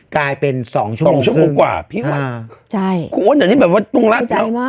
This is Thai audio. กลายเป็นสองชั่วโมงกว่าพี่หวังอ่าใช่โคตรอันนี้แบบว่าตรวงรักแล้ว